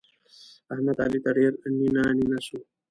احمد؛ علي ته ډېر نينه نينه سو.